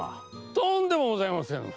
とんでもございません！